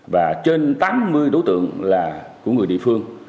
và trên tám mươi đối tượng là của người địa phương